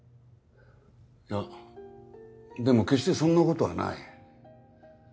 いやでも決してそんなことはない。